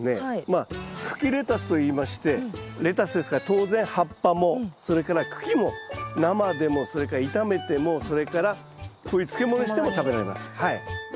まあ茎レタスといいましてレタスですから当然葉っぱもそれから茎も生でもそれから炒めてもそれからこういう漬物にしても食べられます。